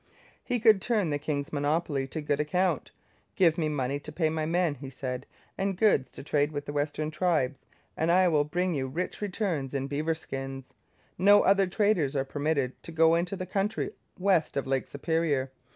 He could turn the king's monopoly to good account. 'Give me money to pay my men,' he said, 'and goods to trade with the western tribes, and I will bring you rich returns in beaver skins. No other traders are permitted to go into the country west of Lake Superior.